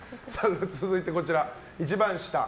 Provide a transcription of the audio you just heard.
続いてこちら、一番下。